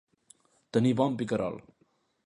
Tenir bon picarol.